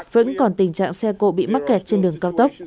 vẫn còn tình trạng xe cộ bị mắc kẹt trên đường cao tốc